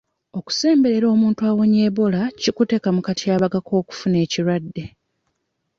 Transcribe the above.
Okusemberera omuntu awonye Ebola kikuteeka mu katyabaga k'okufuna ekirwadde.